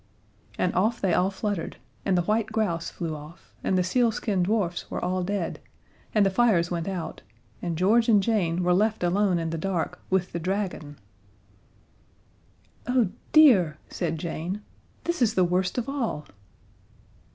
And off they all fluttered, and the white grouse flew off, and the sealskin dwarfs were all dead, and the fires went out, and George and Jane were left alone in the dark with the dragon! "Oh, dear," said Jane, "this is the worst of all!"